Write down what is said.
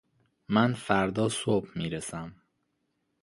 من فردا صبح می رسم